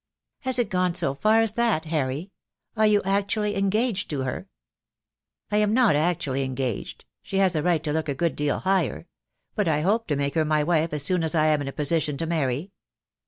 "Has it gone so far as that, Harry? Are you actually engaged to her?" "I am not actually engaged — she has a right to look a good deal higher — but I hope to make her my wife as soon as I am in a position to marry.